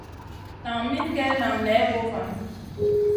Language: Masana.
Nan min gue nan ney vovanu.